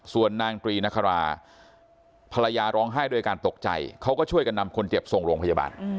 ส่วนนางตรีนคราภรรยาร้องไห้โดยการตกใจเขาก็ช่วยกันนำคนเจ็บส่งโรงพยาบาล